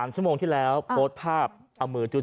ชั่วโมงที่แล้วโพสต์ภาพเอามือจุด